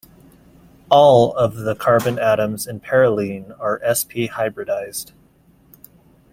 All of the carbon atoms in perylene are sp hybridized.